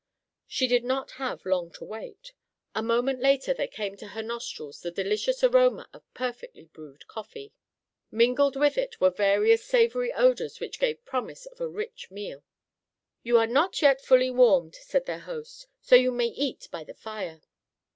She did not have long to wait. A moment later there came to her nostrils the delicious aroma of perfectly brewed coffee. Mingled with it were various savory odors which gave promise of a rich meal. "You are not yet fully warmed," said their host, "so you may eat by the fire."